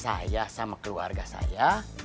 saya sama keluarga saya